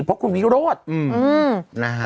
เพราะคุณวิโรธนะฮะ